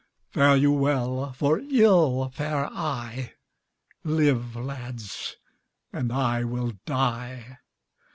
Fare you well, for ill fare I: Live, lads, and I will die."